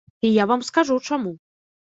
І я вам скажу чаму.